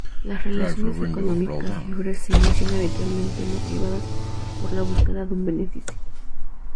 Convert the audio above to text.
Las relaciones económicas libres se inician habitualmente motivadas por la búsqueda de un beneficio.